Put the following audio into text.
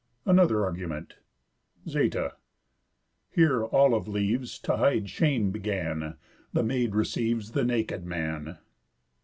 ANOTHER ARGUMENT Ζη̑τα. Here olive leaves T' hide shame began, The maid receives The naked man.